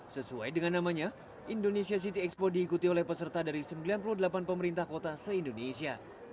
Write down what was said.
sesuai dengan namanya indonesia city expo diikuti oleh peserta dari sembilan puluh delapan pemerintah kota se indonesia